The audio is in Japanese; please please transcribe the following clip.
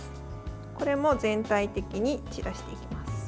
これも全体的に散らしていきます。